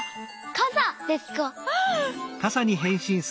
かさですか？